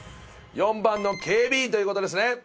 ４番の警備員ということですね。